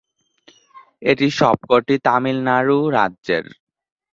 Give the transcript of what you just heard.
এর সবকটি তামিলনাড়ু রাজ্যের।